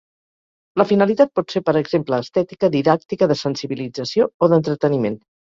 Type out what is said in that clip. La finalitat pot ser per exemple estètica, didàctica, de sensibilització o d'entreteniment.